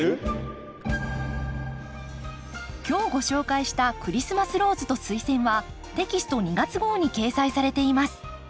今日ご紹介した「クリスマスローズとスイセン」はテキスト２月号に掲載されています。